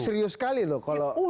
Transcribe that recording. serius sekali loh kalau